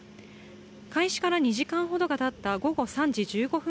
開始から２時間ほどがたった午後３時１５分